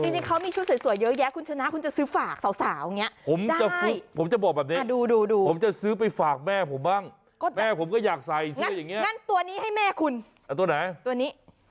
จริงเขามีชุดสวยเยอะแยะคุณชนะคุณจะซื้อฝากสาวอย่างนี้